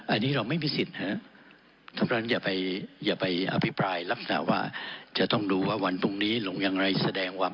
อันนี้เราไม่มีสิทธิ์เท่านั้นอย่าไปอภิปรายรักษณะว่าจะต้องดูว่าวันพรุ่งนี้ลงอย่างไรแสดงว่า